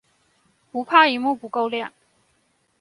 不怕螢幕不夠亮